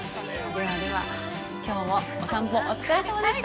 ではでは、きょうもおさんぽお疲れさまでした。